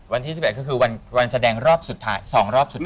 วันที่๑๑ก็คือวันแสดงรอบสุดท้าย๒รอบสุดท้าย